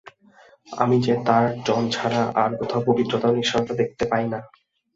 আমি যে তাঁর জন ছাড়া আর কোথাও পবিত্রতা ও নিঃস্বার্থতা দেখতে পাই না।